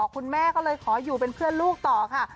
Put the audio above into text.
คุณแม่ก็เลยขออยู่เป็นเพื่อนลูกต่อค่ะ